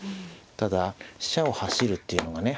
ただ飛車を走るっていうのがね